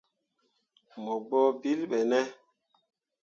Mo gbǝ ɓilli ɓe ne ?